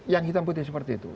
yang hitam putih seperti itu